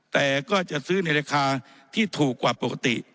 แต่ก็จะซื้อในราคาที่ถูกกว่าปกติ